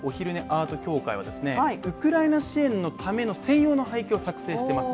アート協会はウクライナ支援のための専用の背景を作成してます。